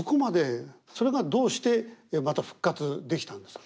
それがどうしてまた復活できたんですか？